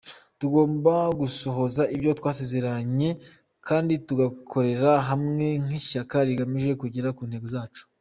Tugomba gusohoza ibyo twasezeranye kandi tugakorera hamwe nk’ishyaka rigamije kugera ku ntego zacu.